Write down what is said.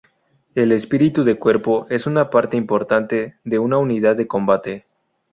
El espíritu de cuerpo es una parte importante de una unidad de combate.